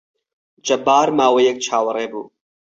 جەبار ماوەیەک چاوەڕێ بوو.